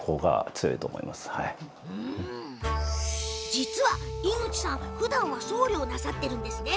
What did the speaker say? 実は、井口さんふだんは僧侶をなさっているんですね。